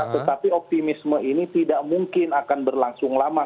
tetapi optimisme ini tidak mungkin akan berlangsung lama